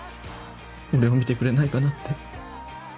俺を見てくれないかなって